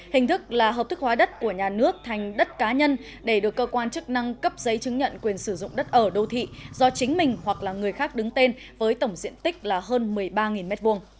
hình thức là hợp thức hóa đất của nhà nước thành đất cá nhân để được cơ quan chức năng cấp giấy chứng nhận quyền sử dụng đất ở đô thị do chính mình hoặc là người khác đứng tên với tổng diện tích là hơn một mươi ba m hai